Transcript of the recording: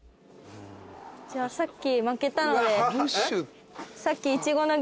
じゃあさっき負けたので。